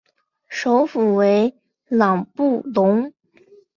首府为朗布隆。